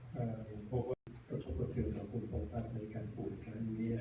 เพราะว่ากระทบเทียบสมควรประกอบในการปลูกครั้งนี้